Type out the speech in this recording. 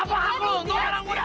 apa hak lo untuk orang muda